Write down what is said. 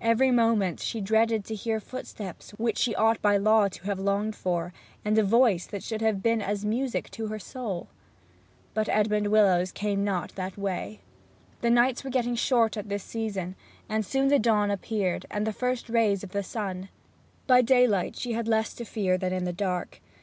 Every moment she dreaded to hear footsteps which she ought by law to have longed for, and a voice that should have been as music to her soul. But Edmond Willowes came not that way. The nights were getting short at this season, and soon the dawn appeared, and the first rays of the sun. By daylight she had less fear than in the dark.